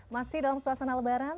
masih dalam suasana lebaran